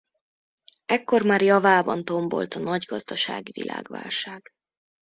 Ekkor már javában tombolt a nagy gazdasági világválság.